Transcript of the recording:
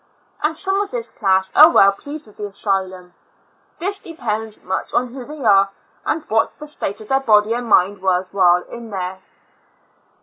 And some of this class are well pleased with the asylum; this depends much on who they are, and what the state of their body and mind was in while there.